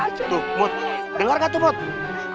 aduh mut denger gak tuh